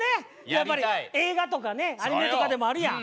やっぱり映画とかねアニメとかでもあるやん。